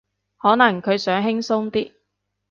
可能佢想輕鬆啲